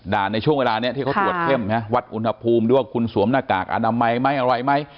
ในช่วงเวลานี้ที่เขาตรวจเข้มวัดอุณหภูมิด้วยว่าคุณสวมหน้ากากอนามัยไหมอะไรไหม